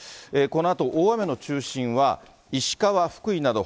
このあと、大雨の中心は石川、福井など、